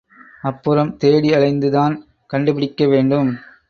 அப்புறம் தேடி அலைந்து தான் கண்டுபிடிக்க வேண்டும்.